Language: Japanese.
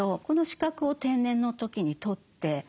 この資格を定年の時に取って。